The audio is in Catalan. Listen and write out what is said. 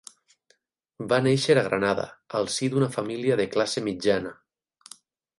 Va néixer a Granada al si d'una família de classe mitjana.